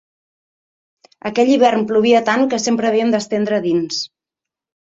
Aquell hivern plovia tant, que sempre havíem d'estendre a dins.